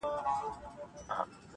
مور هره شپه ژاړي پټه تل,